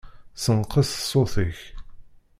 Senqeṣ ṣṣut-ik.